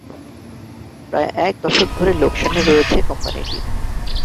প্রায় এক দশক ধরে লোকসানে রয়েছে কোম্পানিটি।